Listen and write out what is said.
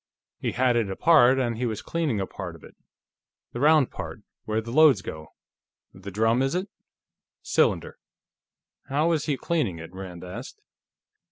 He had it apart, and he was cleaning a part of it. The round part, where the loads go; the drum, is it?" "Cylinder. How was he cleaning it?" Rand asked.